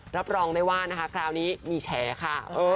รับรองได้ว่าคราวนี้มีแชร์ค่ะ